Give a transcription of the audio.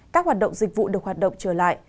các hoạt động dịch vụ được hoạt động trở lại